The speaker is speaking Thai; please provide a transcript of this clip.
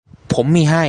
ผมมีให้